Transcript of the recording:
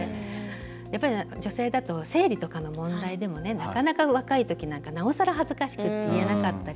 やっぱり女性だと生理とかの問題でもなかなか若いときなんかなおさら恥ずかしくて言えなかったり。